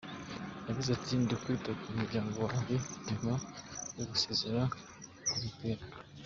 Yagize ati “Ndi kwita ku muryango wanjye nyuma yo gusezera ku mupira.